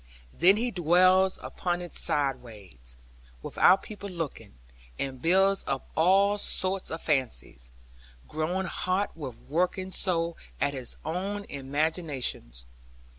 Then he dwells upon it sideways, without people looking, and builds up all sorts of fancies, growing hot with working so at his own imaginings.